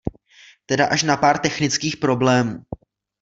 Teda až na pár technických problémů.